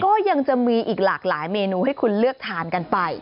ก็จะมีอีกหลากหลายเมนูให้คุณเลือกทานกันไป